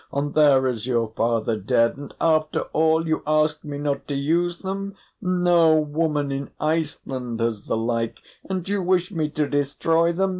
And there is your father dead. And after all, you ask me not to use them? No woman in Iceland has the like. And you wish me to destroy them?